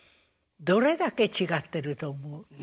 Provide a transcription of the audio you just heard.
どれだけ違ってると思う？